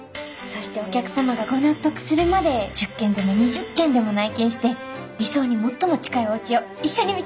そしてお客様がご納得するまで１０件でも２０件でも内見して理想に最も近いおうちを一緒に見つけましょう。